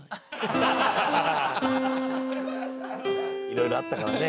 いろいろあったからね。